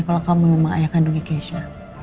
kalau kamu memang ayah kandungnya keisha